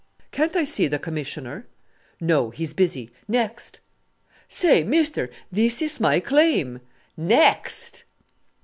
"Can't I see the Commissioner?" "No; he's busy. Next!" "Say! mister, this is my claim." "Next!"